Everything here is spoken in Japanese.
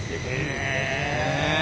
へえ。